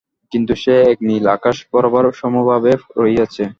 কিন্তু সেই এক নীল আকাশ বরাবর সমভাবে রহিয়াছে।